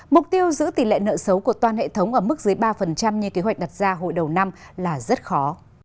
mục tiêu giữ tỷ lệ nợ xấu của toàn hệ thống ở mức dưới ba như kế hoạch đặt ra hồi đầu năm là rất khó